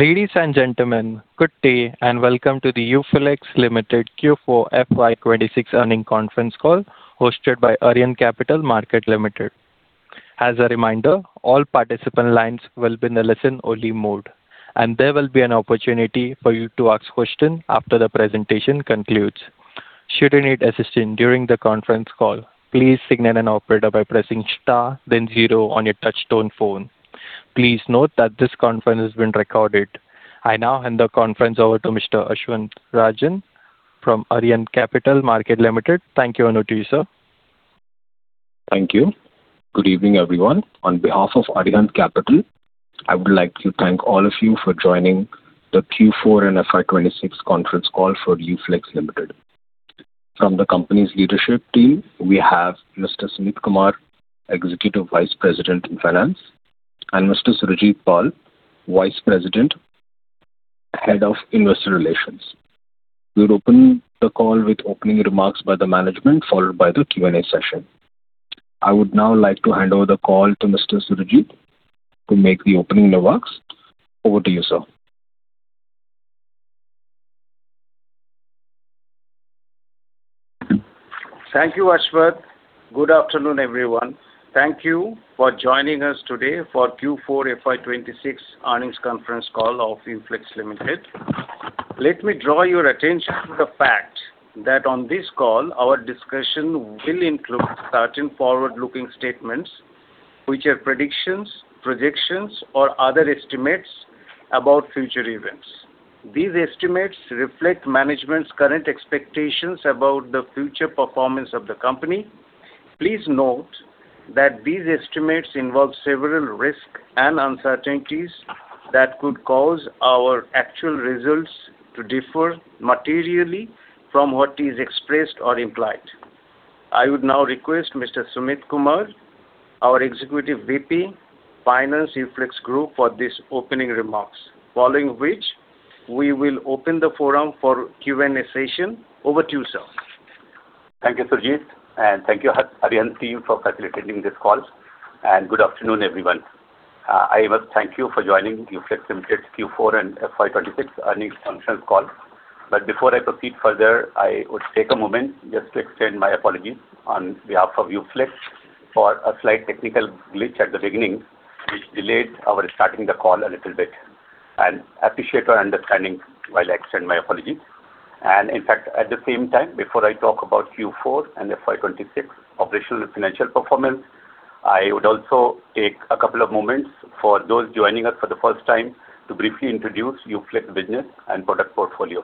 Ladies and gentlemen, good day and welcome to the Uflex Limited Q4 FY 2026 earnings conference call hosted by Arihant Capital Markets Limited. As a reminder, all participant lines will be in a listen-only mode, and there will be an opportunity for you to ask questions after the presentation concludes. Should you need assistance during the conference call, please signal an operator by pressing star then zero on your touch-tone phone. Please note that this conference is being recorded. I now hand the conference over to Mr. Ashvath Rajan from Arihant Capital Markets Limited. Thank you and over to you, sir. Thank you. Good evening, everyone. On behalf of Arihant Capital Markets, I would like to thank all of you for joining the Q4 and FY 2026 conference call for Uflex Limited. From the company's leadership team, we have Mr. Sumeet Kumar, Executive Vice President - Finance, and Mr. Surajit Pal, Vice President, Head of Investor Relations. We'll open the call with opening remarks by the management, followed by the Q&A session. I would now like to hand over the call to Mr. Surajit to make the opening remarks. Over to you, sir. Thank you, Ashvath. Good afternoon, everyone. Thank you for joining us today for Q4 FY 2026 earnings conference call of Uflex Limited. Let me draw your attention to the fact that on this call, our discussion will include certain forward-looking statements, which are predictions, projections, or other estimates about future events. These estimates reflect management's current expectations about the future performance of the company. Please note that these estimates involve several risks and uncertainties that could cause our actual results to differ materially from what is expressed or implied. I would now request Mr. Sumeet Kumar, our Executive VP, Finance, Uflex Group, for these opening remarks, following which we will open the forum for Q&A session. Over to you, sir. Thank you, Surajit, and thank you, Arihant team, for facilitating this call. Good afternoon, everyone. I must thank you for joining Uflex Limited Q4 and FY 2026 earnings conference call. Before I proceed further, I would take a moment just to extend my apologies on behalf of Uflex for a slight technical glitch at the beginning, which delayed our starting the call a little bit, and appreciate your understanding while I extend my apologies. In fact, at the same time, before I talk about Q4 and FY 2026 operational and financial performance, I would also take a couple of moments for those joining us for the first time to briefly introduce Uflex business and product portfolio.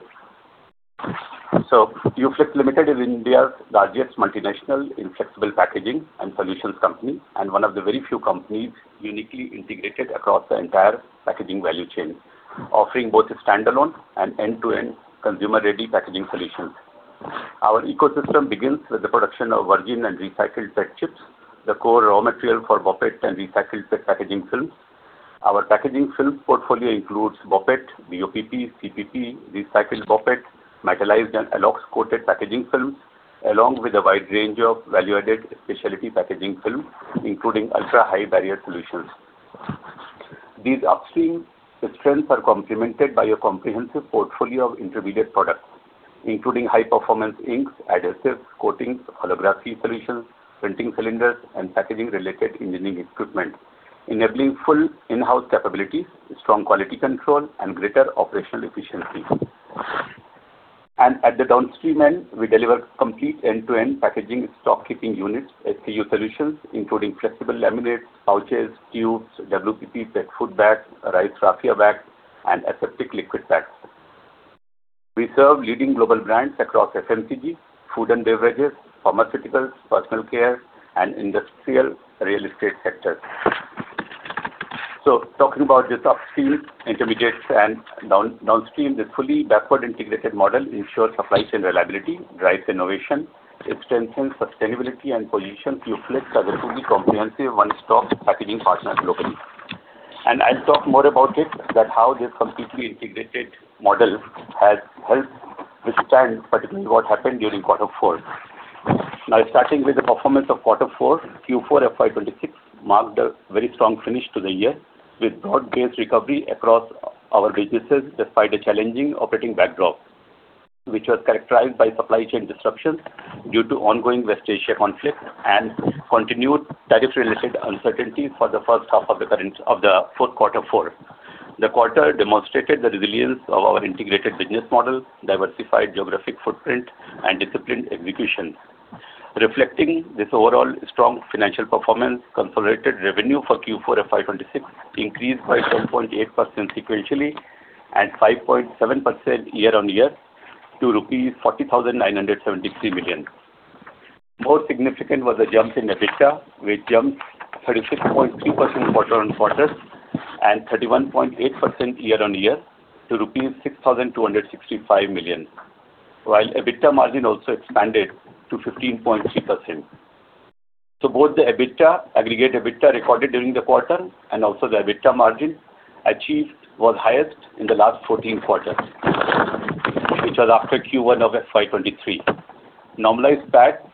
Uflex Limited is India's largest multinational flexible packaging and solutions company and one of the very few companies uniquely integrated across the entire packaging value chain, offering both standalone and end-to-end consumer-ready packaging solutions. Our ecosystem begins with the production of virgin and recycled PET chips, the core raw material for BOPET and recycled PET packaging films. Our packaging film portfolio includes BOPET, BOPP, CPP, recycled BOPET, metalized and ALOX-coated packaging films, along with a wide range of value-added specialty packaging films, including ultra-high barrier solutions. These upstream strengths are complemented by a comprehensive portfolio of intermediate products, including high-performance inks, adhesives, coatings, holography solutions, printing cylinders, and packaging-related engineering equipment, enabling full in-house capabilities, strong quality control, and greater operational efficiency. At the downstream end, we deliver complete end-to-end packaging stock keeping unit, SKU solutions, including flexible laminates, pouches, tubes, WPP PET food bags, rice raffia bags, and aseptic liquid packs. We serve leading global brands across FMCG, food and beverages, pharmaceuticals, personal care, and industrial real estate sectors. Talking about this upstream, intermediate, and downstream, the fully backward integrated model ensures supply chain reliability, drives innovation, strengthens sustainability, and positions Uflex as a truly comprehensive one-stop packaging partner globally. I'll talk more about it, that how this completely integrated model has helped withstand particularly what happened during quarter four. Starting with the performance of quarter four, Q4 FY 2026 marked a very strong finish to the year with broad-based recovery across our businesses despite a challenging operating backdrop, which was characterized by supply chain disruptions due to ongoing West Asia conflict and continued tariff-related uncertainty for the first half of the quarter four. The quarter demonstrated the resilience of our integrated business model, diversified geographic footprint, and disciplined execution. Reflecting this overall strong financial performance, consolidated revenue for Q4 FY 2026 increased by 12.8% sequentially and 5.7% year-on-year to rupees 40,973 million. More significant was the jump in EBITDA, which jumped 36.3% quarter-on-quarter and 31.8% year-on-year to rupees 6,265 million. EBITDA margin also expanded to 15.3%. Both the aggregate EBITDA recorded during the quarter and also the EBITDA margin achieved was highest in the last 14 quarters, which was after Q1 of FY 2023. Normalized PAT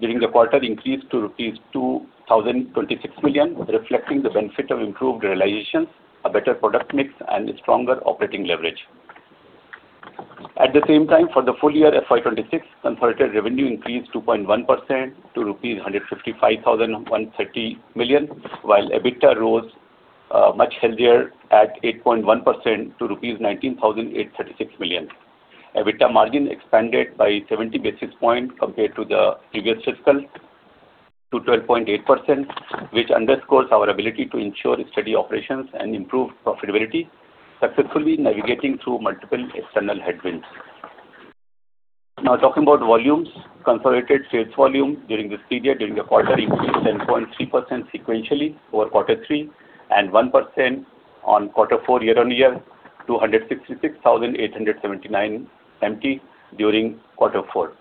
during the quarter increased to rupees 2,026 million, reflecting the benefit of improved realizations, a better product mix, and stronger operating leverage. At the same time, for the full year FY 2026, consolidated revenue increased 2.1% to rupees 155,130 million, while EBITDA rose much healthier at 8.1% to rupees 19,836 million. EBITDA margin expanded by 70 basis points compared to the previous fiscal to 12.8%, which underscores our ability to ensure steady operations and improve profitability, successfully navigating through multiple external headwinds. Talking about volumes. Consolidated sales volume during this period, during the quarter, increased 10.3% sequentially over Q3 and 1% on Q4 year-over-year to 166,879 MT during Q4.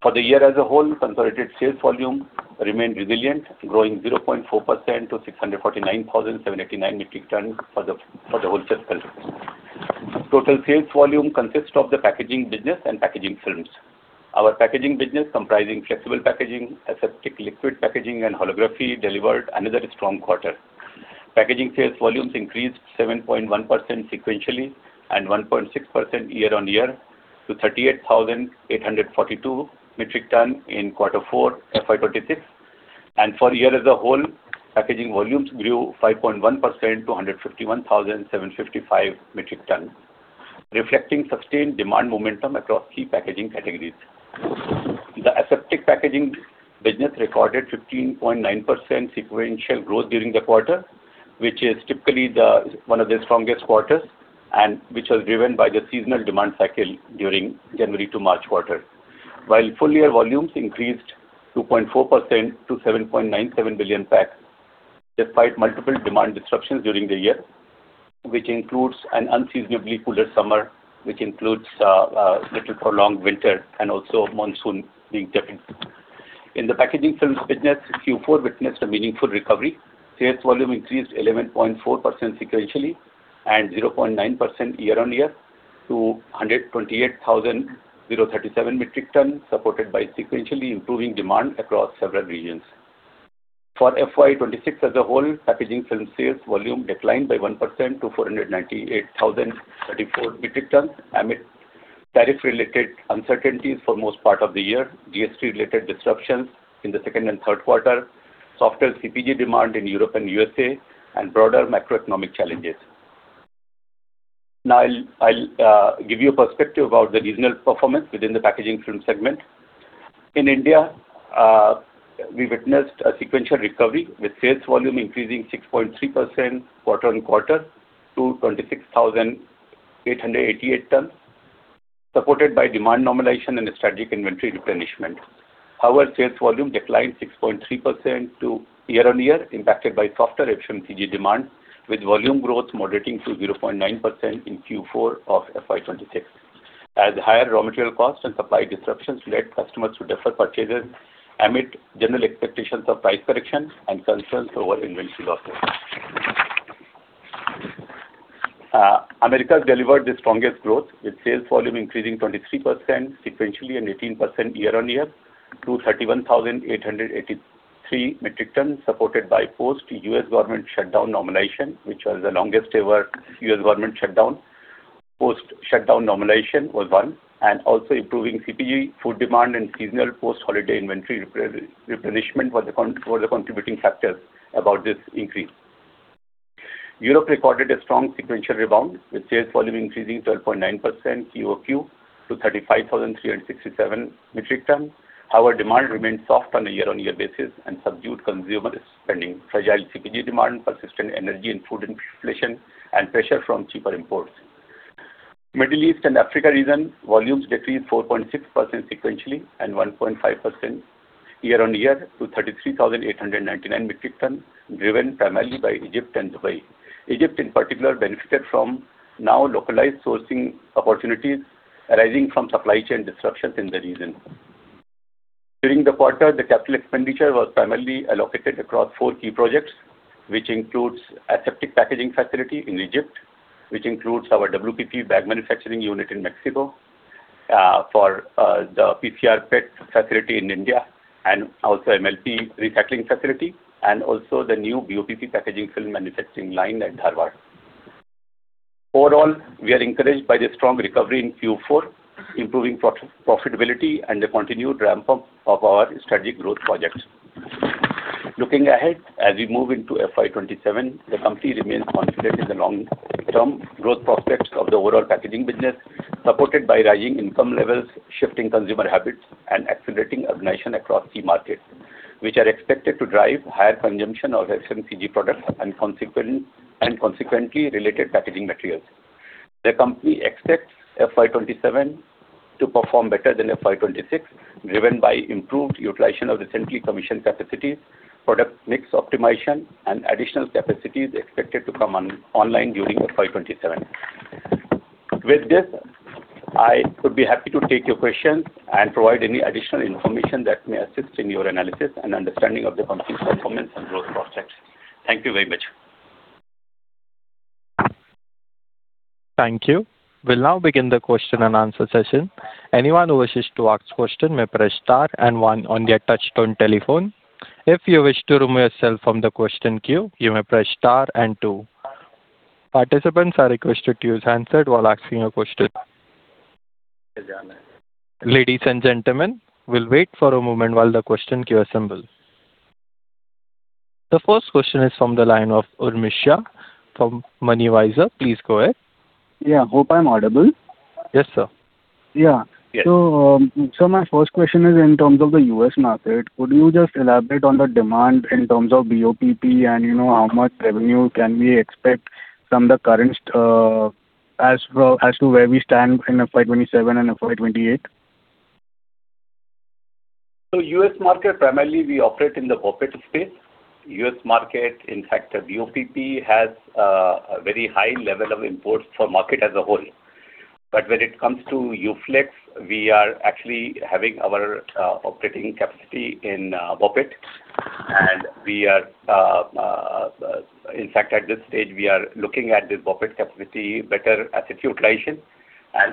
For the year as a whole, consolidated sales volume remained resilient, growing 0.4% to 649,789 metric tons for the whole fiscal. Total sales volume consists of the packaging business and packaging films. Our packaging business comprising flexible packaging, aseptic liquid packaging, and holography delivered another strong quarter. Packaging sales volumes increased 7.1% sequentially and 1.6% year-over-year to 38,842 metric ton in Q4 FY 2026. For the year as a whole, packaging volumes grew 5.1% to 151,755 MT, reflecting sustained demand momentum across key packaging categories. The aseptic packaging business recorded 15.9% sequential growth during the quarter, which is typically one of the strongest quarters, and which was driven by the seasonal demand cycle during January to March quarter. While full year volumes increased 2.4% to 7.97 billion packs, despite multiple demand disruptions during the year, which includes an unseasonably cooler summer, which includes a little prolonged winter and also monsoon being different. In the packaging films business, Q4 witnessed a meaningful recovery. Sales volume increased 11.4% sequentially and 0.9% year-on-year to 128,037 MT, supported by sequentially improving demand across several regions. For FY 2026 as a whole, packaging film sales volume declined by 1% to 498,034 metric ton amid tariff-related uncertainties for most part of the year, GST-related disruptions in the second and third quarter, softer CPG demand in Europe and U.S.A., and broader macroeconomic challenges. I'll give you a perspective about the regional performance within the packaging film segment. In India, we witnessed a sequential recovery, with sales volume increasing 6.3% quarter-on-quarter to 26,888 tons, supported by demand normalization and strategic inventory replenishment. Our sales volume declined 6.3% year-on-year impacted by softer FMCG demand, with volume growth moderating to 0.9% in Q4 of FY 2026. Higher raw material costs and supply disruptions led customers to defer purchases amid general expectations of price corrections and concerns over inventory levels. Americas delivered the strongest growth, with sales volume increasing 23% sequentially and 18% year-on-year to 31,883 metric tons, supported by post-U.S. government shutdown normalization, which was the longest-ever U.S. government shutdown. Post-shutdown normalization was one, and also improving CPG food demand and seasonal post-holiday inventory replenishment was a contributing factor about this increase. Europe recorded a strong sequential rebound, with sales volume increasing 12.9% QOQ to 35,367 metric ton. However, demand remained soft on a year-on-year basis and subdued consumer spending, fragile CPG demand, persistent energy and food inflation, and pressure from cheaper imports. Middle East and Africa region volumes decreased 4.6% sequentially and 1.5% year-on-year to 33,899 metric ton, driven primarily by Egypt and Dubai. Egypt, in particular, benefited from now localized sourcing opportunities arising from supply chain disruptions in the region. During the quarter, the capital expenditure was primarily allocated across four key projects, which includes aseptic packaging facility in Egypt, which includes our WPP bag manufacturing unit in Mexico, for the PCR PET facility in India, and also MLP recycling facility, and also the new BOPP packaging film manufacturing line at Dharwad. Overall, we are encouraged by the strong recovery in Q4, improving profitability and the continued ramp-up of our strategic growth projects. Looking ahead, as we move into FY 2027, the company remains confident in the long-term growth prospects of the overall packaging business, supported by rising income levels, shifting consumer habits, and accelerating urbanization across key markets, which are expected to drive higher consumption of FMCG products and consequently related packaging materials. The company expects FY 2027 to perform better than FY 2026, driven by improved utilization of recently commissioned capacities, product mix optimization, and additional capacities expected to come online during FY 2027. With this, I would be happy to take your questions and provide any additional information that may assist in your analysis and understanding of the company's performance and growth prospects. Thank you very much. Thank you. We'll now begin the question and answer session. Anyone who wishes to ask a question may press star and one on your touchtone telephone. If you wish to remove yourself from the question queue, you may press star and two. Participants are requested to use handset while asking a question. Ladies and gentlemen, we'll wait for a moment while the question queue assemble. The first question is from the line of Urvisha from MoneyWiser. Yeah. Hope I'm audible. Yes, sir. Yeah. Yes. Sir, my first question is in terms of the U.S. market. Could you just elaborate on the demand in terms of BOPP and how much revenue can we expect as to where we stand in FY 2027 and FY 2028? U.S. market, primarily we operate in the BOPET space. U.S. market, in fact, BOPP has a very high level of imports for market as a whole. When it comes to Uflex, we are actually having our operating capacity in BOPET. In fact, at this stage we are looking at this BOPET capacity better as a utilization.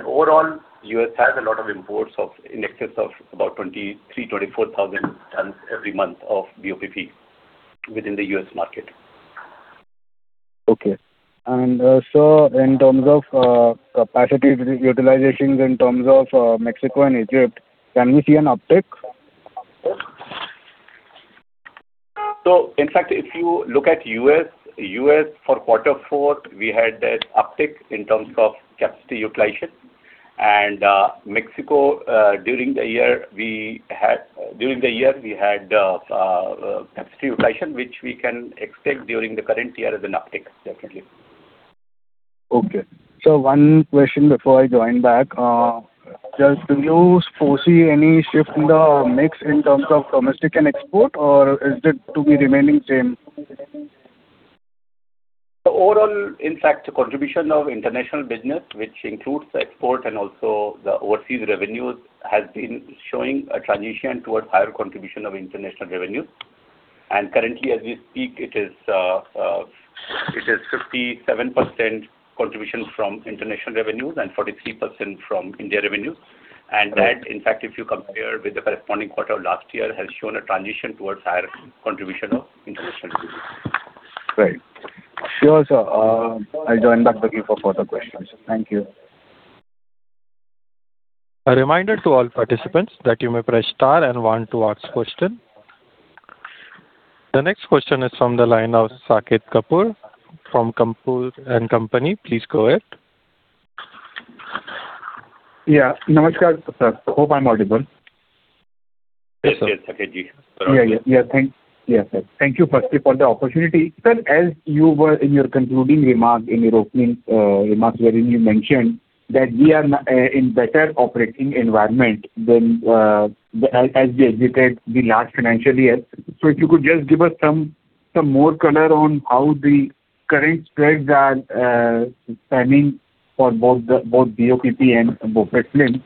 Overall, U.S. has a lot of imports in excess of about 23,000, 24,000 tons every month of BOPP within the U.S. market. Okay. Sir, in terms of capacity utilizations in terms of Mexico and Egypt, can we see an uptick? In fact, if you look at U.S., for Q4 we had that uptick in terms of capacity utilization. Mexico, during the year we had capacity utilization which we can expect during the current year as an uptick, definitely. Okay. One question before I join back. Just do you foresee any shift in the mix in terms of domestic and export, or is it to be remaining same? Overall, in fact, the contribution of international business, which includes export and also the overseas revenues, has been showing a transition towards higher contribution of international revenue. Currently as we speak, it is 57% contribution from international revenues and 43% from India revenue. That, in fact, if you compare with the corresponding quarter last year, has shown a transition towards higher contribution of international business. Great. Sure, sir. I'll join back the queue for further questions. Thank you. A reminder to all participants that you may press star and one to ask question. The next question is from the line of Saket Kapoor from Kapoor and Company. Please go ahead. Yeah. Namaskar sir. Hope I'm audible. Yes, Saket ji. Yeah. Thank you firstly for the opportunity. Sir, in your opening remarks wherein you mentioned that we are in better operating environment than, as we executed the last financial year. If you could just give us some more color on how the current spreads are spanning for both BOPP and BOPET film,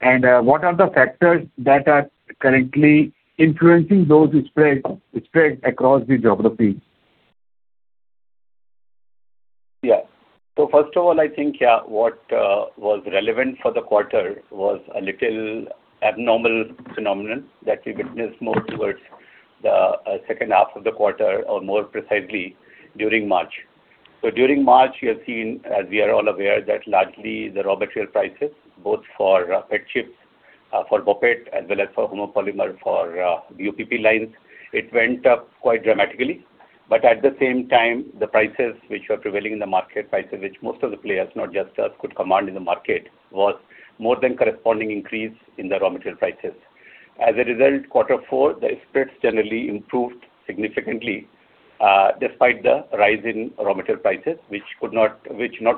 and what are the factors that are currently influencing those spreads across the geography? Yeah. First of all, I think, yeah, what was relevant for the quarter was a little abnormal phenomenon that we witnessed more towards the second half of the quarter or more precisely during March. During March, you have seen, as we are all aware, that largely the raw material prices, both for PET chips for BOPET as well as for homopolymer for BOPP lines, it went up quite dramatically. At the same time, the prices which were prevailing in the market, prices which most of the players, not just us, could command in the market, was more than corresponding increase in the raw material prices. As a result, Q4, the spreads generally improved significantly, despite the rise in raw material prices, which not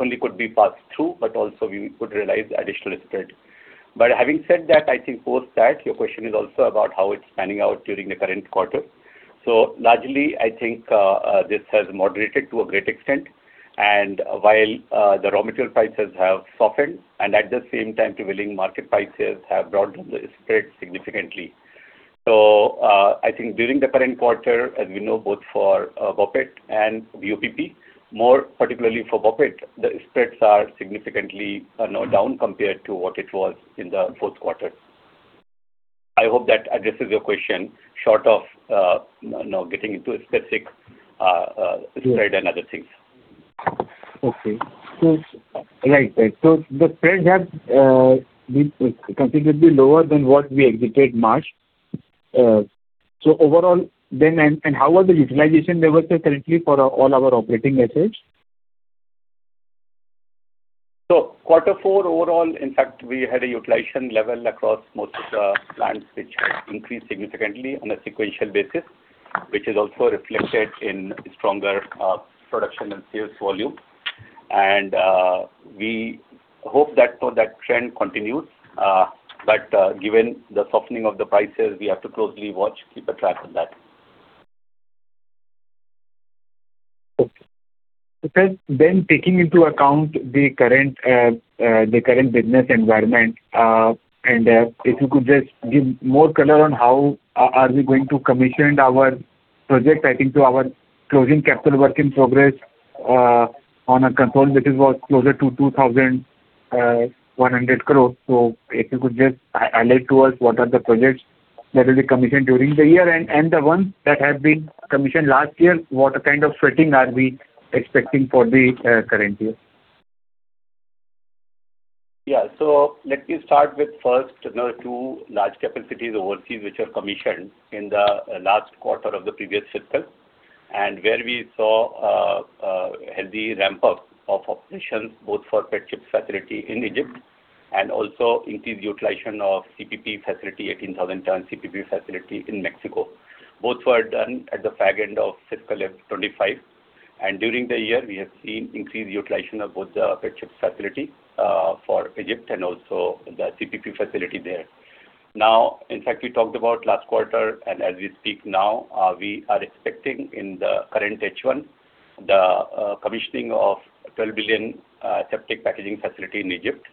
only could be passed through, but also we could realize additional spread. Having said that, I think post that, your question is also about how it's panning out during the current quarter. Largely, I think, this has moderated to a great extent. While the raw material prices have softened and at the same time prevailing market prices have broadened the spread significantly. I think during the current quarter, as you know, both for BOPET and BOPP, more particularly for BOPET, the spreads are significantly down compared to what it was in the fourth quarter. I hope that addresses your question short of getting into a specific spread and other things. Okay. Right. The spreads have been considerably lower than what we executed March. Overall then, how are the utilization levels say currently for all our operating assets? Q4 overall, in fact, we had a utilization level across most of the plants which had increased significantly on a sequential basis, which is also reflected in stronger production and sales volume. We hope that trend continues. Given the softening of the prices, we have to closely watch, keep a track on that. Okay. Sir, taking into account the current business environment, and if you could just give more color on how are we going to commission our project, I think to our closing capital work in progress on a control basis was closer to 2,100 crore. If you could just highlight to us what are the projects that will be commissioned during the year, and the ones that have been commissioned last year, what kind of sweating are we expecting for the current year? Let me start with first, the two large capacities overseas, which were commissioned in the last quarter of the previous fiscal, and where we saw a healthy ramp-up of operations, both for PET chips facility in Egypt and also increased utilization of CPP facility, 18,000 tons CPP facility in Mexico. Both were done at the far end of fiscal FY 2025. During the year, we have seen increased utilization of both the PET chips facility for Egypt and also the CPP facility there. In fact, we talked about last quarter, as we speak now, we are expecting in the current H1, the commissioning of 12 billion aseptic packaging facility in Egypt.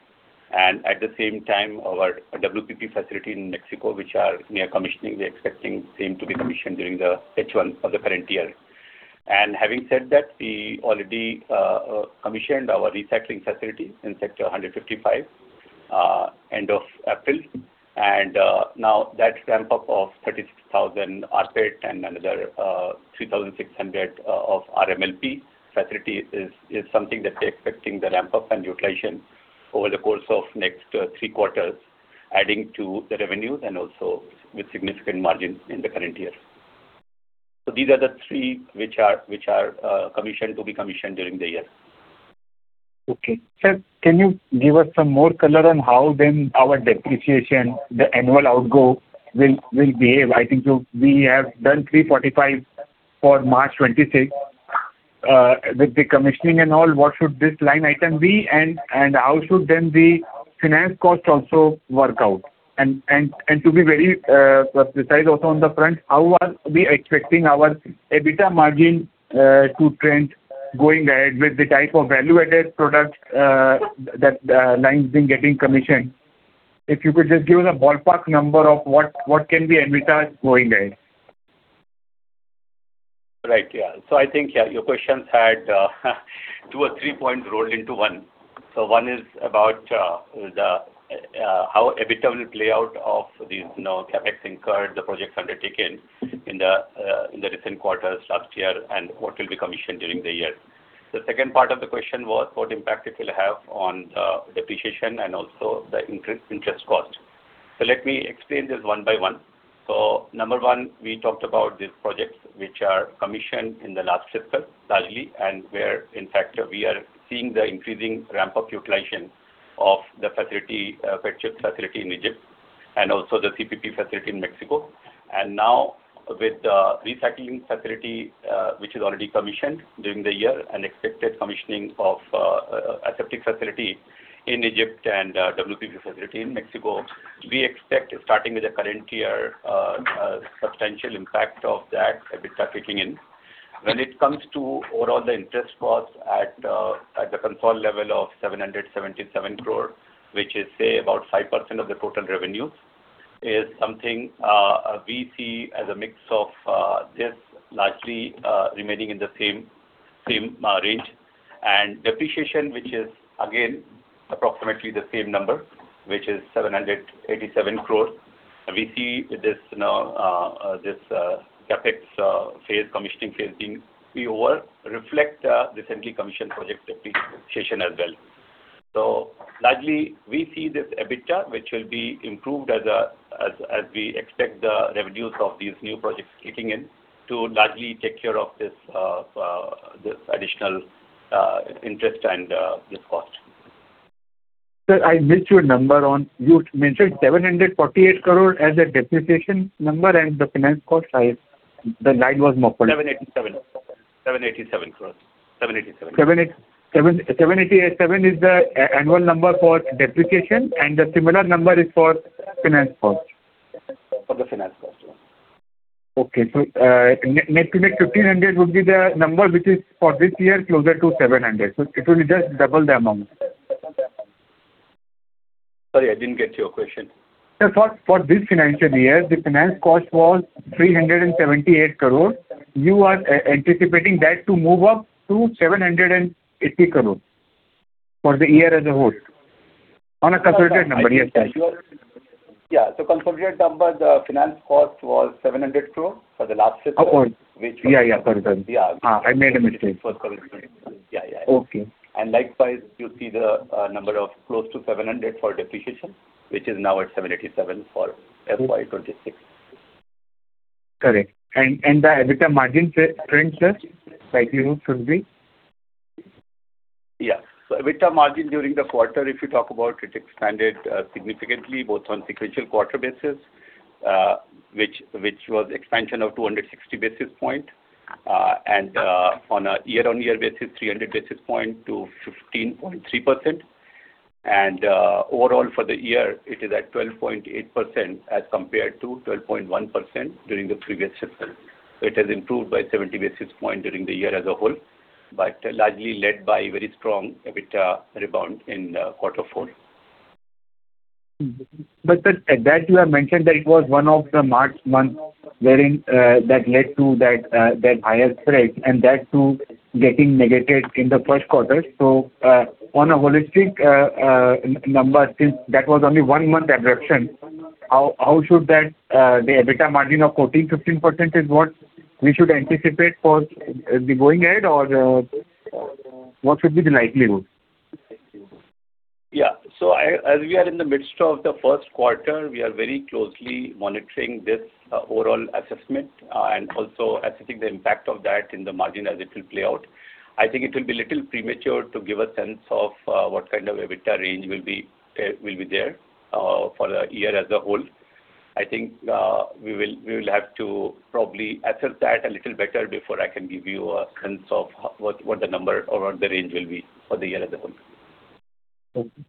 At the same time, our WPP facility in Mexico, which we are commissioning, we are expecting them to be commissioned during the H1 of the current year. Having said that, we already commissioned our recycling facility in sector 155, end of April. Now that ramp-up of 36,000 RPET and another 3,600 of RMLP facility is something that we are expecting the ramp-up and utilization over the course of next three quarters, adding to the revenues and also with significant margin in the current year. These are the three which are to be commissioned during the year. Okay. Sir, can you give us some more color on how then our depreciation, the annual outgo will behave? I think we have done 345 for March 2026. With the commissioning and all, what should this line item be, and how should then the finance cost also work out? To be very precise also on the front, how are we expecting our EBITDA margin to trend going ahead with the type of value-added product that line has been getting commissioned? If you could just give us a ballpark number of what can be EBITDA going ahead. Right. Yeah. I think your questions had two or three points rolled into one. One is about how EBITDA will play out of these CapEx incurred, the projects undertaken in the recent quarters last year and what will be commissioned during the year. The second part of the question was what impact it will have on the depreciation and also the increased interest cost. Let me explain this one by one. Number one, we talked about these projects, which are commissioned in the last fiscal, largely, and where in fact, we are seeing the increasing ramp-up utilization of the PET chips facility in Egypt and also the CPP facility in Mexico. Now with the recycling facility, which is already commissioned during the year, and expected commissioning of a aseptic facility in Egypt and WPP facility in Mexico, we expect, starting with the current year, a substantial impact of that EBITDA kicking in. When it comes to overall the interest cost at the consolidated level of 777 crore, which is, say about 5% of the total revenue, is something we see as a mix of this largely remaining in the same range. Depreciation, which is again approximately the same number, which is 787 crores. We see this CapEx phase commissioning phase being over reflect the recently commissioned project depreciation as well. Largely, we see this EBITDA, which will be improved as we expect the revenues of these new projects kicking in to largely take care of this additional interest and this cost. Sir, I missed your number You mentioned 748 crore as a depreciation number and the finance cost, the line was muffled. 787 crores. 787 is the annual number for depreciation, and the similar number is for finance cost? For the finance cost. Okay. Net to net 1,500 would be the number which is for this year, closer to 700. It will be just double the amount. Sorry, I didn't get your question. Sir, for this financial year, the finance cost was 378 crore. You are anticipating that to move up to 780 crore for the year as a whole, on a consolidated number. Yes, sir. Yeah. Consolidated number, the finance cost was 700 crore for the last quarter. Yeah. Pardon. I made a mistake. Yeah. Okay. Likewise, you see the number of close to 700 for depreciation, which is now at 787 for FY 2026. Correct. The EBITDA margin trends, sir, likely should be? EBITDA margin during the quarter, if you talk about, it expanded significantly both on sequential quarter basis, which was expansion of 260 basis points. On a year-on-year basis, 300 basis points to 15.3%. Overall for the year, it is at 12.8% as compared to 12.1% during the previous fiscal. It has improved by 70 basis points during the year as a whole, but largely led by very strong EBITDA rebound in quarter four. Sir, that you have mentioned that it was one of the March month wherein that led to that higher threat and that too getting negated in the first quarter. On a holistic number, since that was only one month aberration, how should the EBITDA margin of 14%-15% is what we should anticipate for the way ahead, or what should be the likelihood? Yeah. As we are in the midst of the first quarter, we are very closely monitoring this overall assessment. Also assessing the impact of that in the margin as it will play out. I think it will be a little premature to give a sense of what kind of EBITDA range will be there for the year as a whole. I think we will have to probably assess that a little better before I can give you a sense of what the number or what the range will be for the year as a whole.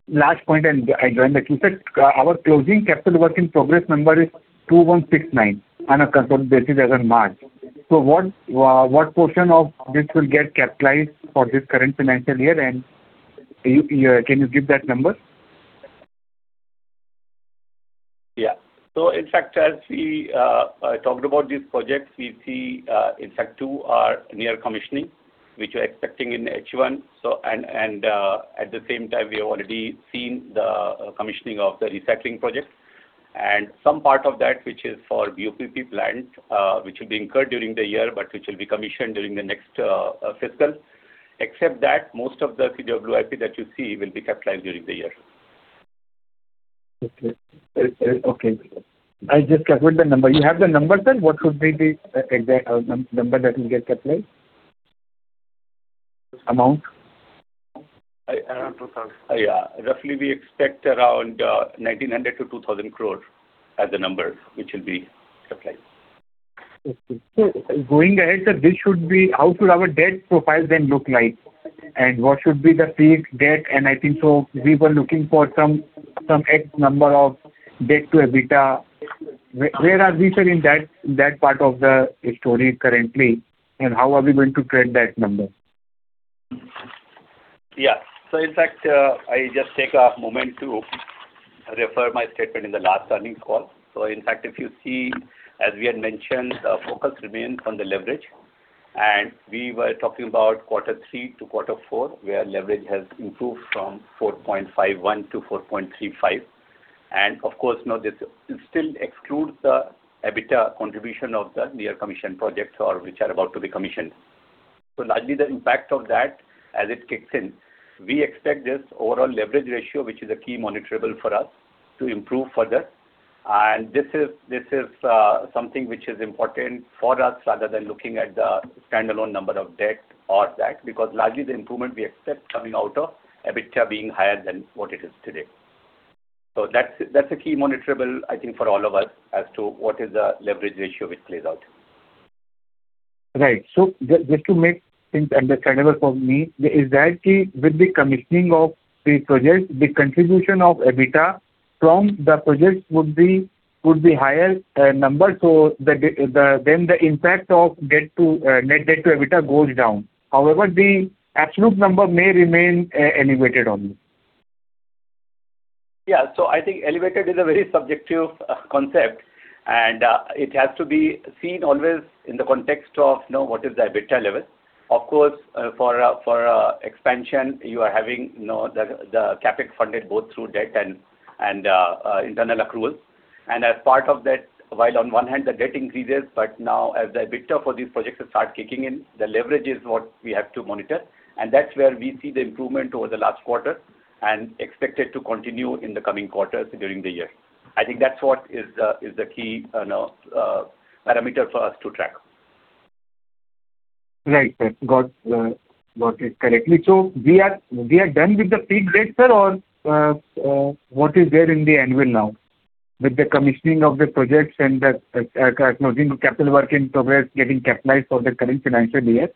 Last point, I join that you said our closing capital work in progress number is 2,169 on a consolidated as on March. What portion of this will get capitalized for this current financial year? Can you give that number? In fact, as we talked about these projects, we see in fact two are near commissioning, which we are expecting in H1. At the same time, we have already seen the commissioning of the recycling project. Some part of that which is for BOPP plant, which will be incurred during the year, but which will be commissioned during the next fiscal. Except that most of the CWIP that you see will be capitalized during the year. Okay. I just calculate the number. You have the numbers then? What should be the exact number that will get capitalized? Amount? Around 2,000. Roughly we expect around 1,900 crore-2,000 crore as the number which will be supplied. Okay. Going ahead, sir, how should our debt profile then look like? What should be the peak debt? I think so we were looking for some X number of debt to EBITDA. Where are we, sir, in that part of the story currently, and how are we going to trend that number? Yeah. In fact, I just take a moment to refer my statement in the last earnings call. In fact, if you see, as we had mentioned, focus remains on the leverage. We were talking about Quarter three to Quarter four, where leverage has improved from 4.51 to 4.35. Of course, now this still excludes the EBITDA contribution of the near commission projects or which are about to be commissioned. Largely the impact of that as it kicks in, we expect this overall leverage ratio, which is a key monitorable for us, to improve further. This is something which is important for us rather than looking at the standalone number of debt or that, because largely the improvement we expect coming out of EBITDA being higher than what it is today. That's a key monitorable, I think, for all of us as to what is the leverage ratio which plays out. Right. Just to make things understandable for me, is that with the commissioning of the project, the contribution of EBITDA from the project would be higher number, so then the impact of net debt to EBITDA goes down. The absolute number may remain elevated only. I think elevated is a very subjective concept and it has to be seen always in the context of what is the EBITDA level. Of course, for expansion, you are having the CapEx funded both through debt and internal accruals. As part of that, while on one hand the debt increases, now as the EBITDA for these projects start kicking in, the leverage is what we have to monitor. That's where we see the improvement over the last quarter and expect it to continue in the coming quarters during the year. I think that's what is the key parameter for us to track. Right, sir. Got it correctly. We are done with the peak debt, sir, or what is there in the annual now? With the commissioning of the projects and the closing of capital work in progress getting capitalized for the current financial year,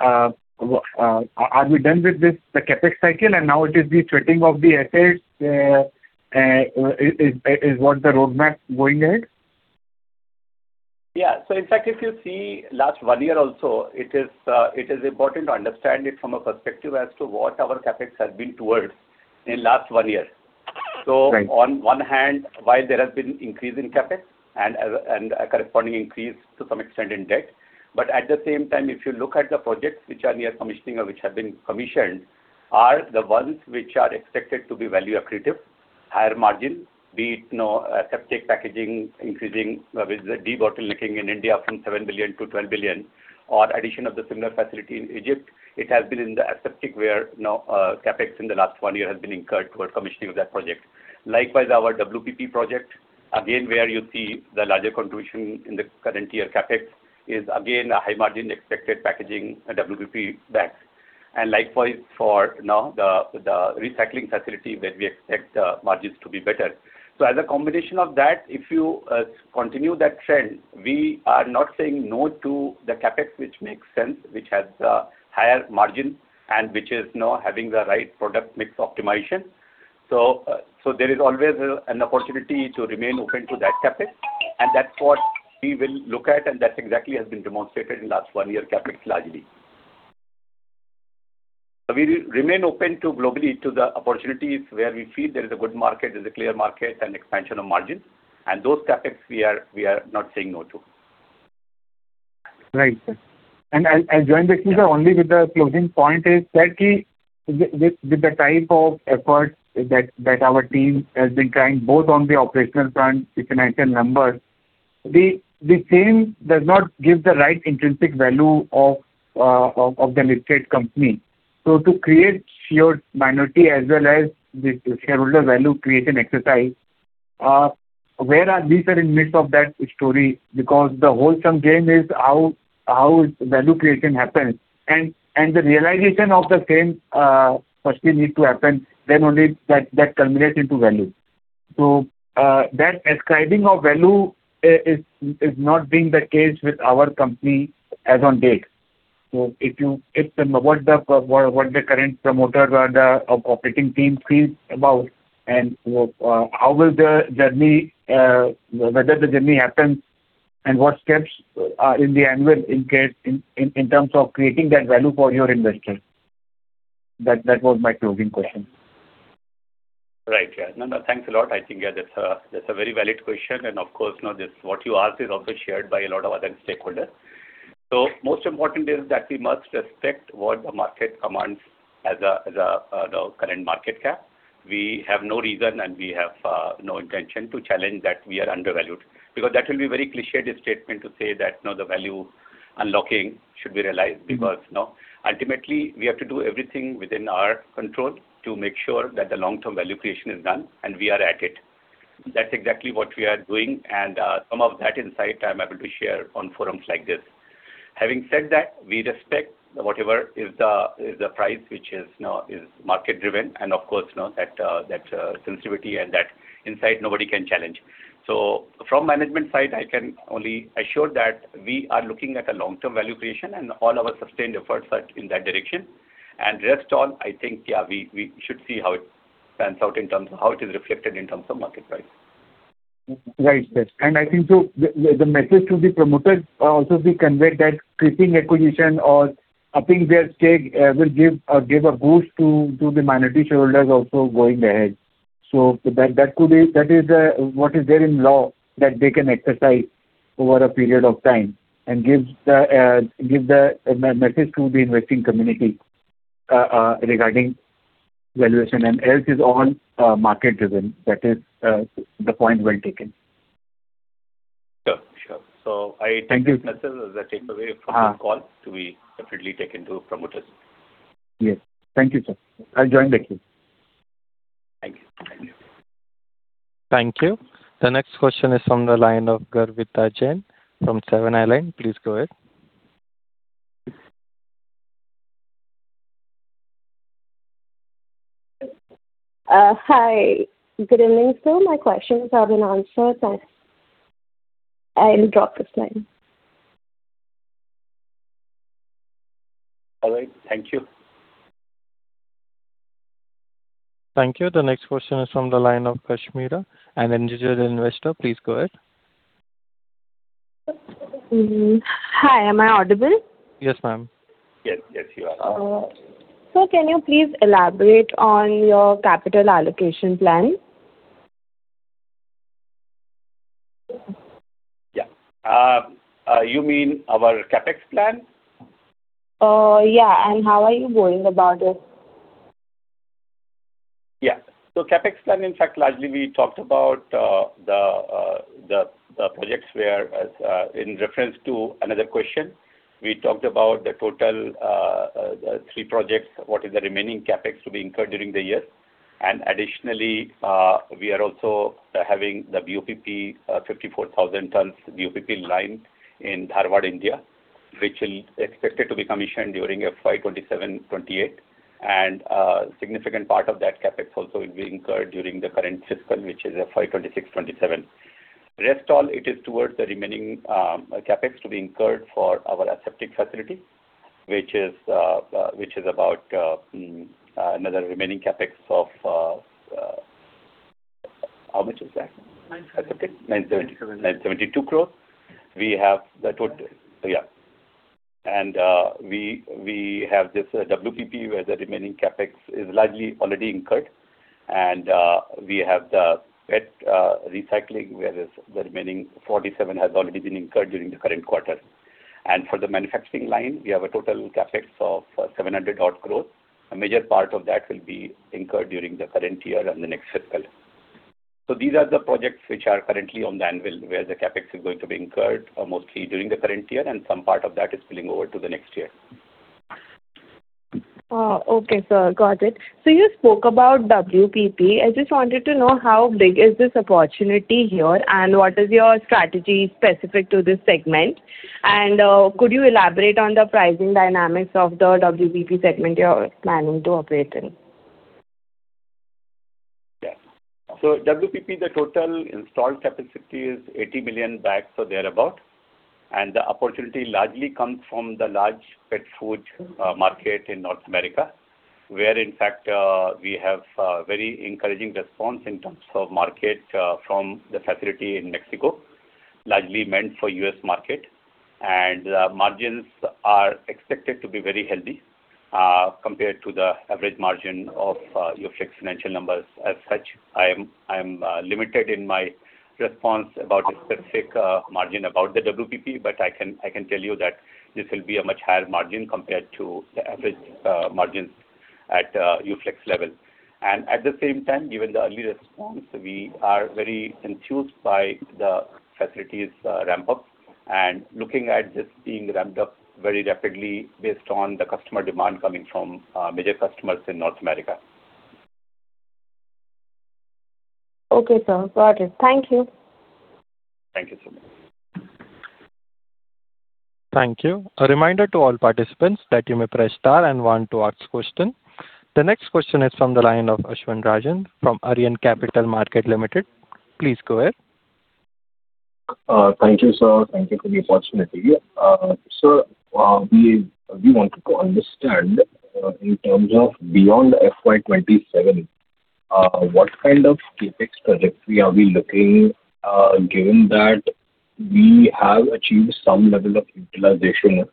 are we done with the CapEx cycle and now it is the sweating of the assets is what the roadmap going ahead? Yeah. In fact, if you see last one year also, it is important to understand it from a perspective as to what our CapEx has been towards in last one year. Right. On one hand, while there has been increase in CapEx and a corresponding increase to some extent in debt, but at the same time, if you look at the projects which are near commissioning or which have been commissioned, are the ones which are expected to be value accretive, higher margin, be it aseptic packaging increasing with de-bottlenecking in India from 7 billion to 12 billion, or addition of the similar facility in Egypt. It has been in the aseptic where CapEx in the last one year has been incurred towards commissioning of that project. Likewise, our WPP project, again where you see the larger contribution in the current year CapEx is again a high margin expected packaging WPP bag. Likewise for the recycling facility where we expect the margins to be better. As a combination of that, if you continue that trend, we are not saying no to the CapEx, which makes sense, which has a higher margin and which is now having the right product mix optimization. There is always an opportunity to remain open to that CapEx, and that's what we will look at, and that exactly has been demonstrated in last one year CapEx largely. We remain open globally to the opportunities where we feel there is a good market, there's a clear market, and expansion of margins. Those CapEx we are not saying no to. Right. I'll join the queue, sir, only with the closing point is that with the type of efforts that our team has been trying, both on the operational front, financial numbers, the same does not give the right intrinsic value of the listed company. To create shareholder minority as well as the shareholder value creation exercise, where are these in midst of that story? Because the wholesome game is how value creation happens, and the realization of the same firstly needs to happen, then only that culminates into value. That ascribing of value is not being the case with our company as on date. What the current promoter or the operating team feels about, and whether the journey happens, and what steps are in the anvil in terms of creating that value for your investors. That was my closing question. Right. Yeah. No, thanks a lot. I think, yeah, that's a very valid question. Of course, now, what you asked is also shared by a lot of other stakeholders. Most important is that we must respect what the market commands as the current market cap. We have no reason and we have no intention to challenge that we are undervalued, because that will be very cliched statement to say that, now the value unlocking should be realized because ultimately we have to do everything within our control to make sure that the long-term value creation is done, and we are at it. That's exactly what we are doing, and some of that insight I am able to share on forums like this. Having said that, we respect whatever is the price which is market driven, and of course, now that sensitivity and that insight, nobody can challenge. From management side, I can only assure that we are looking at a long-term value creation and all our sustained efforts are in that direction. Rest all, I think, we should see how it pans out in terms of how it is reflected in terms of market price. Right. I think the message to the promoters also we convey that creeping acquisition or upping their stake will give a boost to the minority shareholders also going ahead. That is what is there in law that they can exercise over a period of time and give the message to the investing community regarding valuation and else is all market driven. That is the point well taken. Sure. Thank you. Message as a takeaway from this call to be definitely taken to promoters. Yes. Thank you, sir. I join the queue. Thank you. Thank you. The next question is from the line of Garvita Jain from Seven Islands. Please go ahead. Hi. Good evening, sir. My questions have been answered. I'll drop this line. All right. Thank you. Thank you. The next question is from the line of Kashmira, an individual investor. Please go ahead. Hi, am I audible? Yes, ma'am. Yes, you are. Sir, can you please elaborate on your capital allocation plan? Yeah. You mean our CapEx plan? Yeah. How are you going about it? CapEx plan, in fact, largely we talked about the projects where, in reference to another question, we talked about the total three projects, what is the remaining CapEx to be incurred during the year. Additionally, we are also having the WPP 54,000 tons WPP line in Dharwad, India, which is expected to be commissioned during FY 2027, 2028, and a significant part of that CapEx also will be incurred during the current fiscal, which is FY 2026, 2027. Rest all, it is towards the remaining CapEx to be incurred for our aseptic facility, which is about another remaining CapEx of How much is that? 970. 972 crore. We have this WPP, where the remaining CapEx is largely already incurred, and we have the PET recycling, where the remaining 47 crore has already been incurred during the current quarter. For the manufacturing line, we have a total CapEx of 700 odd crore. A major part of that will be incurred during the current year and the next fiscal. These are the projects which are currently on the anvil, where the CapEx is going to be incurred mostly during the current year and some part of that is spilling over to the next year. Okay, sir. Got it. You spoke about WPP. I just wanted to know how big is this opportunity here and what is your strategy specific to this segment? Could you elaborate on the pricing dynamics of the WPP segment you're planning to operate in? Yeah. WPP, the total installed capacity is 80 million bags or thereabout. The opportunity largely comes from the large pet food market in North America, where in fact, we have very encouraging response in terms of market from the facility in Mexico. Largely meant for US market, margins are expected to be very healthy compared to the average margin of Uflex financial numbers. As such, I am limited in my response about a specific margin about the WPP, I can tell you that this will be a much higher margin compared to the average margins at Uflex level. At the same time, given the early response, we are very enthused by the facility's ramp-up and looking at this being ramped up very rapidly based on the customer demand coming from major customers in North America. Okay, sir. Got it. Thank you. Thank you so much. Thank you. A reminder to all participants that you may press star and one to ask question. The next question is from the line of Ashvath Rajan from Arihant Capital Markets Limited. Please go ahead. Thank you, sir. Thank you for the opportunity. Sir, we wanted to understand in terms of beyond FY 2027, what kind of CapEx trajectory are we looking, given that we have achieved some level of utilization.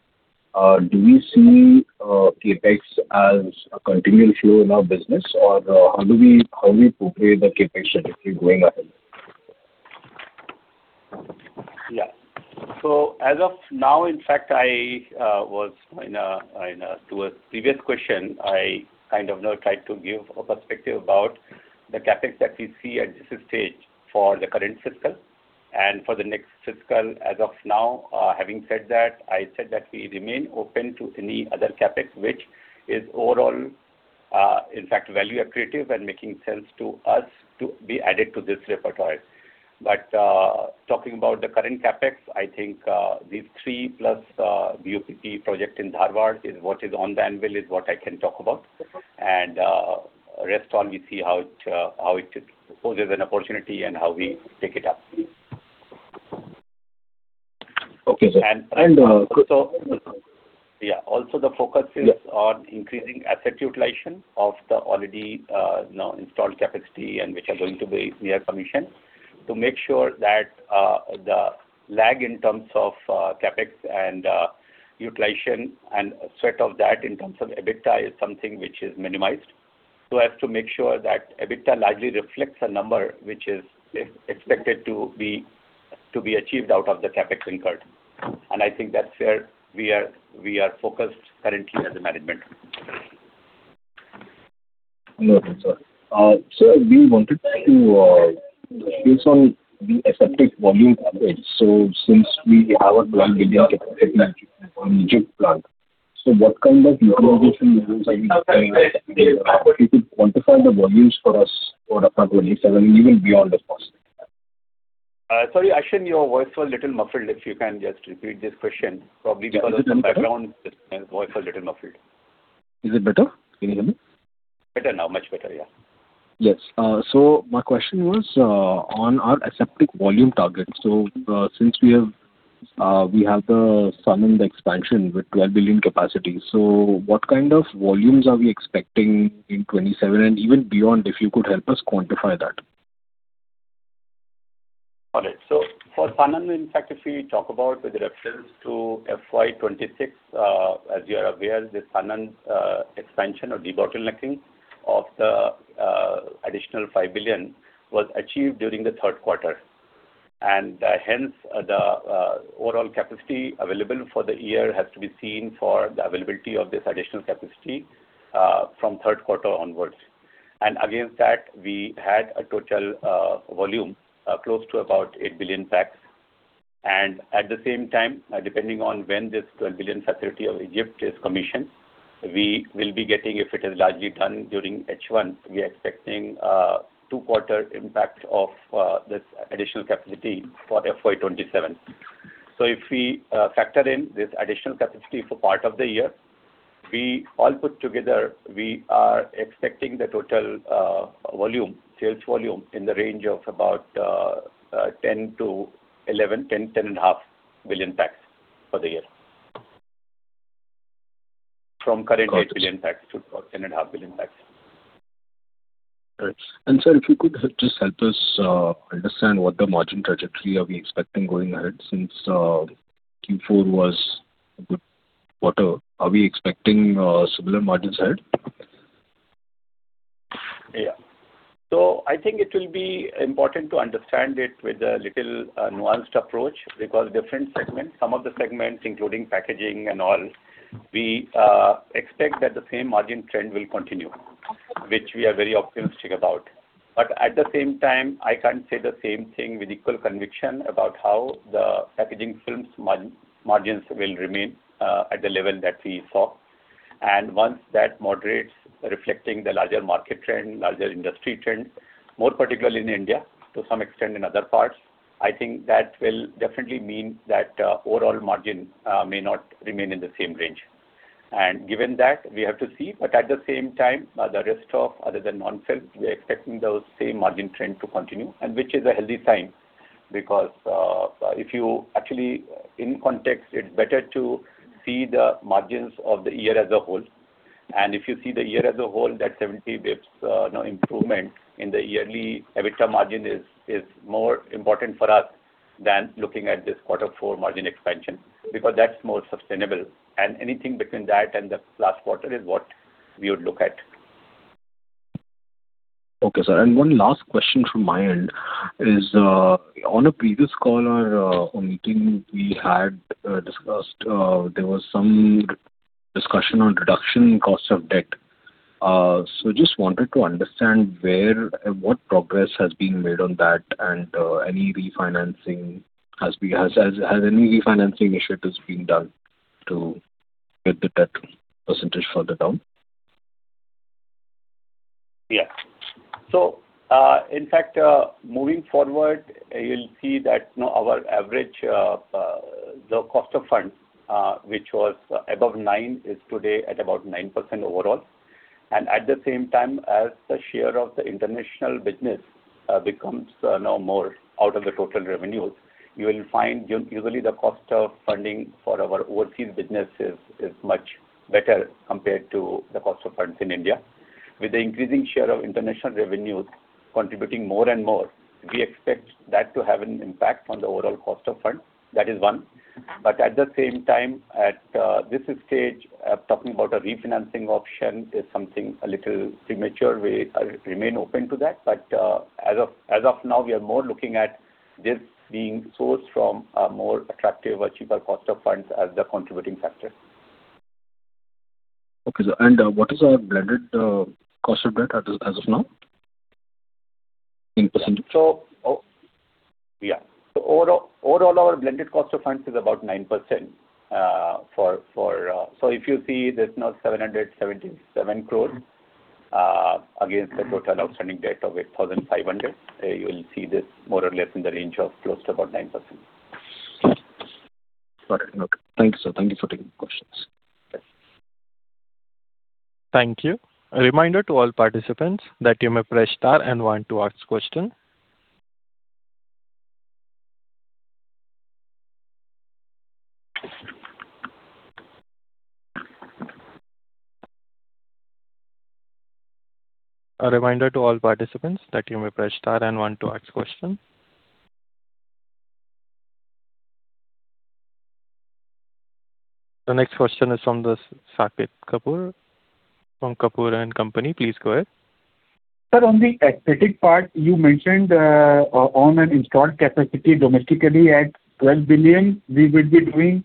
Do we see CapEx as a continual flow in our business? How do we portray the CapEx trajectory going ahead? As of now, in fact, to a previous question, I kind of now tried to give a perspective about the CapEx that we see at this stage for the current fiscal and for the next fiscal as of now. Having said that, I said that we remain open to any other CapEx, which is overall, in fact, value accretive and making sense to us to be added to this repertoire. Talking about the current CapEx, I think these three-plus BOPP project in Dharwad is what is on the anvil is what I can talk about. Okay. Rest all, we see how it poses an opportunity and how we take it up. Okay, sir. Also the focus is on increasing asset utilization of the already now installed capacity and which are going to be near commission to make sure that the lag in terms of CapEx and utilization and sweat of that in terms of EBITDA is something which is minimized. As to make sure that EBITDA largely reflects a number which is expected to be achieved out of the CapEx incurred. I think that's where we are focused currently as a management. Okay, sir. Sir, we wanted to, based on the aseptic volume average, so since we have a 12 billion capacity on Egypt plant, so what kind of utilization are we looking at if you could quantify the volumes for us for FY 2027 and even beyond if possible? Sorry, Ashvath, your voice was a little muffled, if you can just repeat this question, probably because of the background, your voice was a little muffled. Is it better? Can you hear me? Better now. Much better, yeah. Yes. My question was on our aseptic volume target. Since we have the Sanand expansion with 12 billion capacity, what kind of volumes are we expecting in 2027 and even beyond, if you could help us quantify that? Got it. For Sanand, in fact, if we talk about with reference to FY 2026, as you are aware, the Sanand expansion or debottlenecking of the additional 5 billion was achieved during the third quarter. Hence, the overall capacity available for the year has to be seen for the availability of this additional capacity from third quarter onwards. Against that, we had a total volume close to about 8 billion packs. At the same time, depending on when this 12 billion facility of Egypt is commissioned, we will be getting, if it is largely done during H1, we are expecting two quarter impact of this additional capacity for FY 2027. If we factor in this additional capacity for part of the year, we all put together, we are expecting the total sales volume in the range of about 10-11, 10.5 billion packs for the year. From current 8 billion packs to 10.5 billion packs. Got it. Sir, if you could just help us understand what the margin trajectory are we expecting going ahead since Q4 was a good quarter. Are we expecting similar margins ahead? I think it will be important to understand it with a little nuanced approach because different segments, some of the segments, including packaging and all, we expect that the same margin trend will continue, which we are very optimistic about. At the same time, I can't say the same thing with equal conviction about how the packaging films margins will remain at the level that we saw. Once that moderates, reflecting the larger market trend, larger industry trend, more particularly in India, to some extent in other parts, I think that will definitely mean that overall margin may not remain in the same range. Given that, we have to see, but at the same time, the rest of other than non-film, we are expecting those same margin trend to continue, and which is a healthy sign because if you actually, in context, it's better to see the margins of the year as a whole. If you see the year as a whole, that 70 basis points improvement in the yearly EBITDA margin is more important for us than looking at this quarter four margin expansion, because that's more sustainable. Anything between that and the last quarter is what we would look at. Okay, sir. One last question from my end is, on a previous call or meeting we had, there was some discussion on reduction in cost of debt. Just wanted to understand what progress has been made on that and has any refinancing initiatives been done to get the debt percentage further down? In fact, moving forward, you'll see that our average cost of funds, which was above 9%, is today at about 9% overall. At the same time as the share of the international business becomes more out of the total revenues, you will find usually the cost of funding for our overseas business is much better compared to the cost of funds in India. With the increasing share of international revenues contributing more and more, we expect that to have an impact on the overall cost of funds. That is one. At the same time, at this stage, talking about a refinancing option is something a little premature. We remain open to that, but as of now, we are more looking at this being sourced from a more attractive, cheaper cost of funds as the contributing factor. Okay, sir. What is our blended cost of debt as of now in percentage? Yeah. Overall, our blended cost of funds is about 9%. If you see, there's now 777 crores against the total outstanding debt of 8,500. You'll see this more or less in the range of close to about 9%. Got it. Okay. Thank you, sir. Thank you for taking the questions. Okay. Thank you. A reminder to all participants that you may press star and one to ask a question. The next question is from Saket Kapoor from Kapoor & Company. Please go ahead. Sir, on the aseptic part, you mentioned on an installed capacity domestically at 12 billion, we will be doing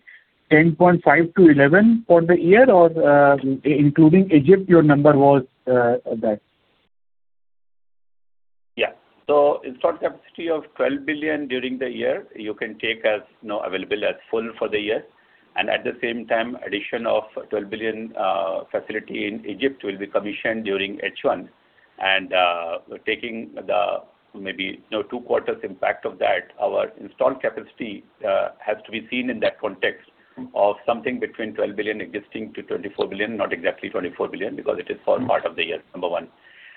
10.5 to 11 for the year or including Egypt, your number was that? Yeah. Installed capacity of 12 billion during the year, you can take as available at full for the year. At the same time, addition of 12 billion facility in Egypt will be commissioned during H1. Taking the maybe 2 quarters impact of that, our installed capacity has to be seen in that context of something between 12 billion existing to 24 billion, not exactly 24 billion, because it is for part of the year, number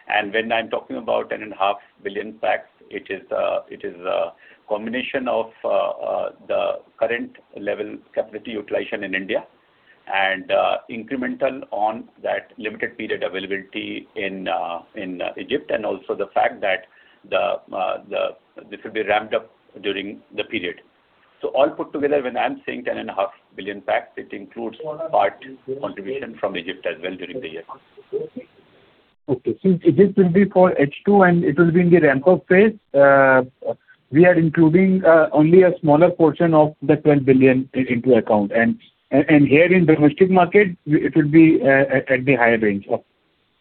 1. When I'm talking about 10.5 billion packs, it is a combination of the current level capacity utilization in India and incremental on that limited period availability in Egypt, and also the fact that this will be ramped up during the period. All put together, when I'm saying 10.5 billion packs, it includes part contribution from Egypt as well during the year. Okay. Since Egypt will be for H2 and it will be in the ramp-up phase, we are including only a smaller portion of the 12 billion into account. Here in domestic market, it will be at the higher range of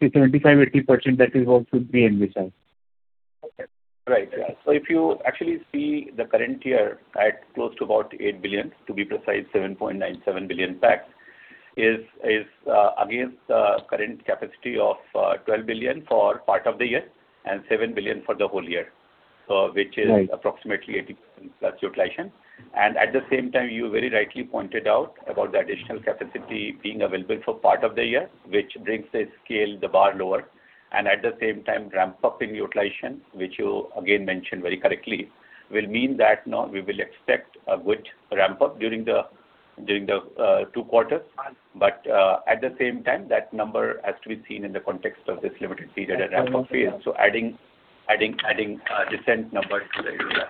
75%-80%. That is what should be in this. Okay. Right. If you actually see the current year at close to about 8 billion, to be precise, 7.97 billion packs, is against current capacity of 12 billion for part of the year and 7 billion for the whole year. Right. Which is approximately 80% plus utilization. At the same time, you very rightly pointed out about the additional capacity being available for part of the year, which brings the scale, the bar lower. At the same time, ramp-up in utilization, which you again mentioned very correctly, will mean that now we will expect a good ramp-up during the two quarters. At the same time, that number has to be seen in the context of this limited period and ramp-up phase. Adding decent numbers to the total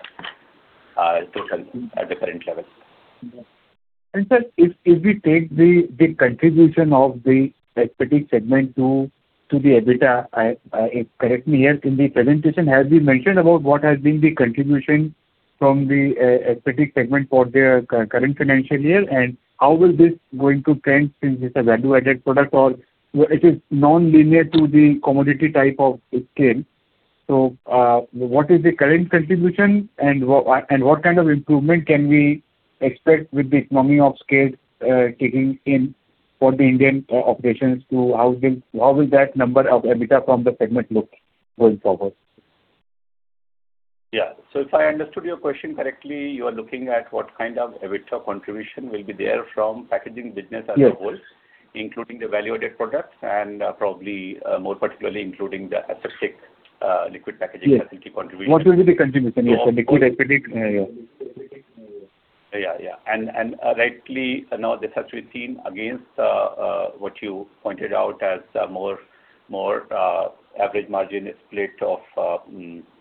at the current level. Sir, if we take the contribution of the aseptic segment to the EBITDA, correct me here, in the presentation, have you mentioned about what has been the contribution from the aseptic segment for their current financial year, and how is this going to trend since it's a value-added product or it is non-linear to the commodity type of scale. So, what is the current contribution and what kind of improvement can we expect with the economy of scale kicking in for the Indian operations to how will that number of EBITDA from the segment look going forward? Yeah. If I understood your question correctly, you are looking at what kind of EBITDA contribution will be there from packaging business as a whole? Yes. Including the value-added products and probably more particularly including the aseptic liquid packaging category contribution. Yes. What will be the contribution? Yes, the liquid aseptic. Yeah, yeah. Yeah. Rightly, now this has to be seen against what you pointed out as more average margin split of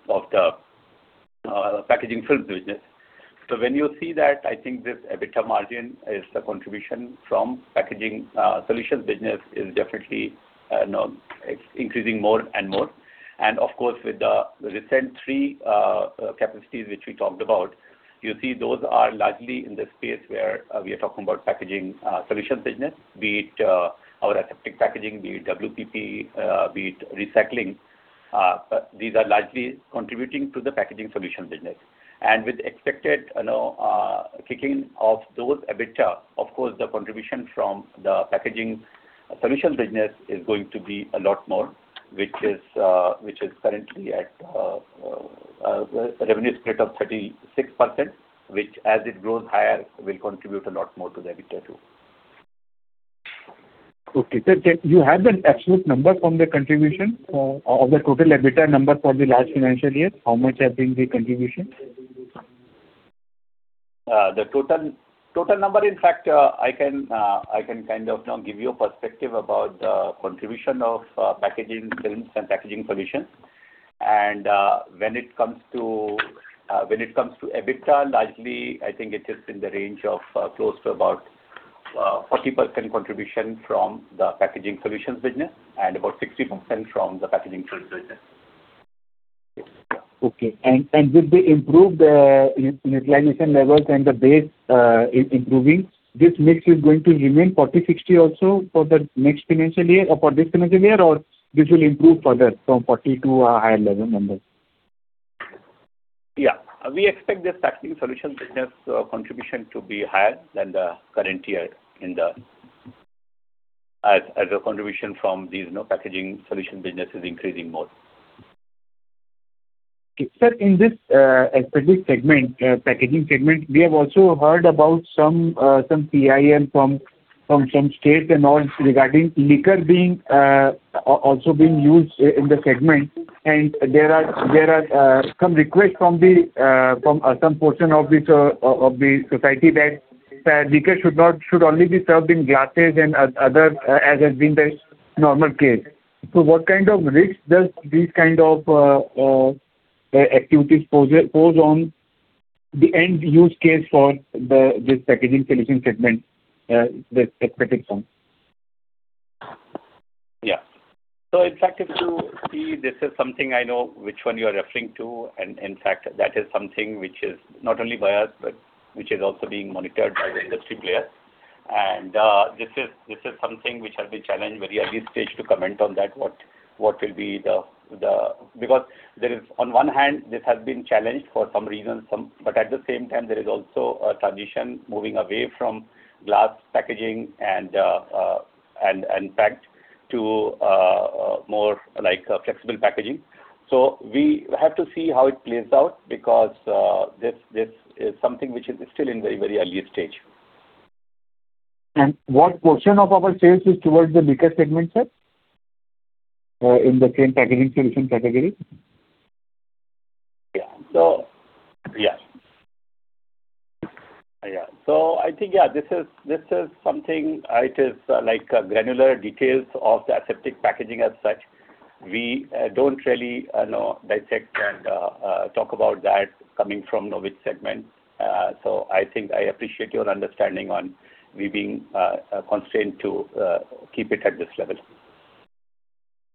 the packaging films business. When you see that, I think this EBITDA margin is the contribution from packaging solutions business is definitely now increasing more and more. Of course, with the recent three capacities which we talked about, you see those are largely in the space where we are talking about packaging solutions business, be it our aseptic packaging, be it WPP, be it recycling. With expected kicking of those EBITDA, of course, the contribution from the packaging solutions business is going to be a lot more, which is currently at a revenue split of 36%, which as it grows higher, will contribute a lot more to the EBITDA too. Okay. Sir, you have the absolute number from the contribution of the total EBITDA number for the last financial year? How much has been the contribution? The total number, in fact, I can give you a perspective about the contribution of packaging films and packaging solutions. When it comes to EBITDA, largely, I think it is in the range of close to about 40% contribution from the packaging solutions business and about 60% from the packaging films business. Okay. With the improved utilization levels and the base improving, this mix is going to remain 40/60 also for the next financial year or for this financial year, or this will improve further from 40 to a higher level number? Yeah. We expect this packaging solutions business contribution to be higher than the current year as the contribution from these packaging solution business is increasing more. Sir, in this specific segment, packaging segment, we have also heard about some CIM from some states and all regarding liquor also being used in the segment. There are some requests from some portion of the society that liquor should only be served in glasses and other, as has been the normal case. What kind of risk does these kind of activities pose on the end-use case for this packaging solution segment, the PET segment? Yeah. In fact, if you see, this is something I know which one you are referring to, and in fact, that is something which is not only by us, but which is also being monitored by the industry players. This is something which has been challenged. Very early stage to comment on that. On one hand, this has been challenged for some reasons, but at the same time, there is also a transition moving away from glass packaging and packed to more flexible packaging. We have to see how it plays out because this is something which is still in very early stage. What portion of our sales is towards the liquor segment, sir? In the same packaging solution category. Yeah. I think, this is something, it is granular details of the aseptic packaging as such. We don't really dissect and talk about that coming from which segment. I think I appreciate your understanding on we being constrained to keep it at this level.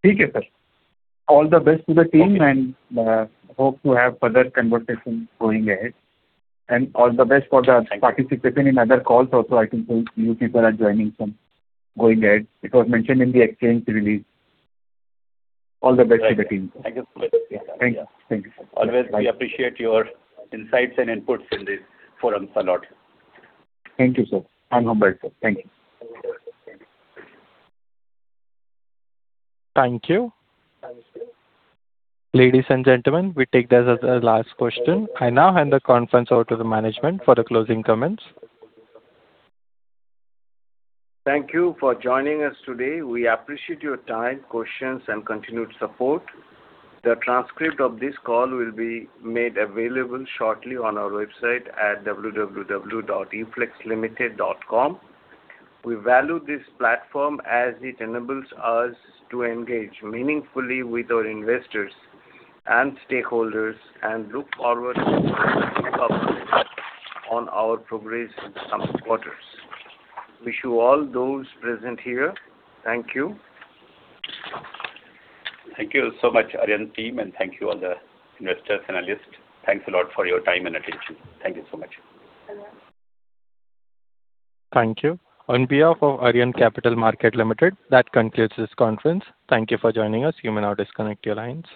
Okay, sir. All the best to the team and hope to have further conversation going ahead. Thank you. Participation in other calls also. I can see new people are joining from going ahead. It was mentioned in the exchange release. All the best to the team. Thank you so much. Thank you. Always, we appreciate your insights and inputs in these forums a lot. Thank you, sir. I'm humbled, sir. Thank you. Thank you. Ladies and gentlemen, we take that as our last question. I now hand the conference over to the management for the closing comments. Thank you for joining us today. We appreciate your time, questions, and continued support. The transcript of this call will be made available shortly on our website at www.uflexltd.com. We value this platform as it enables us to engage meaningfully with our investors and stakeholders and look forward on our progress in the coming quarters. Wish you all those present here, thank you. Thank you so much, Arihant team, and thank you all the investors, analysts. Thanks a lot for your time and attention. Thank you so much. Thank you. On behalf of Arihant Capital Markets Limited, that concludes this conference. Thank you for joining us. You may now disconnect your lines.